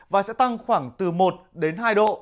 và sẽ tăng khoảng từ một đến hai độ